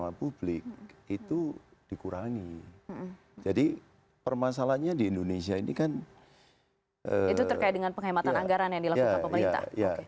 itu terkait dengan penghematan anggaran yang dilakukan pemerintah